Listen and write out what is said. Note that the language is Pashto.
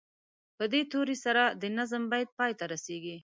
په دې توري سره د نظم بیت پای ته رسیږي.